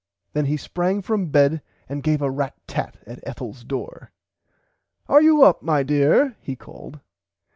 Then he sprang from bed and gave a rat tat at Ethels door. Are you up my dear he called.